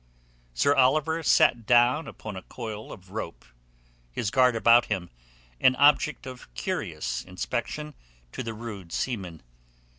Sir Oliver sat down upon a coil of rope, his guard about him, an object of curious inspection to the rude seamen.